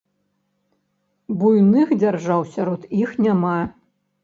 Буйных дзяржаў сярод іх няма.